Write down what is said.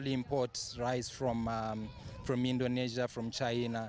kami mengimpor kue dari indonesia dari china